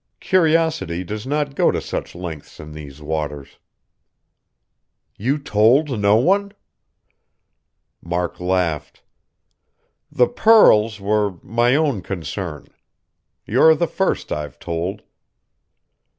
"Curiosity does not go to such lengths in these waters." "You told no one?" Mark laughed. "The pearls were my own concern. You're the first I've told."